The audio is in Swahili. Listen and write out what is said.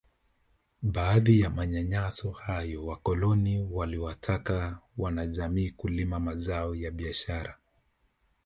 Baadhi ya manyanyaso hayo wakoloni waliwataka wanajamii kulima mazao ya biashara